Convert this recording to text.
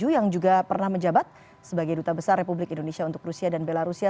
yang juga pernah menjabat sebagai duta besar republik indonesia untuk rusia dan belarusia